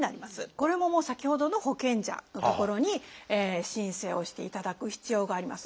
これももう先ほどの保険者の所に申請をしていただく必要があります。